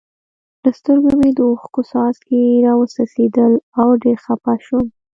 له سترګو مې د اوښکو څاڅکي را و څڅېدل او ډېر خپه شوم.